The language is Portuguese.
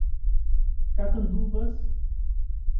Catanduvas